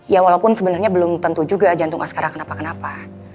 ya walaupun sebenarnya belum tentu juga jantung askara kenapa kenapa